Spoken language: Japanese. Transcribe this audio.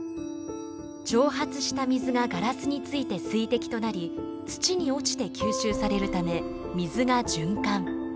蒸発した水がガラスについて水滴となり土に落ちて吸収されるため水が循環。